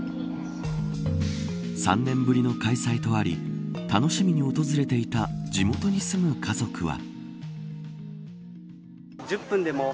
３年ぶりの開催とあり楽しみに訪れていた地元に住む家族は。